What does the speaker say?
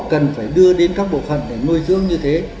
cần phải đưa đến các bộ phần để nuôi dương như thế